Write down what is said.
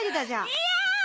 いや！